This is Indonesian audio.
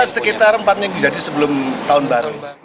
sekitar empat minggu jadi sebelum tahun baru